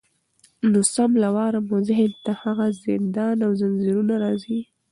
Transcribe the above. نو سم له واره مو ذهن ته هغه زندان او زنځیرونه راځي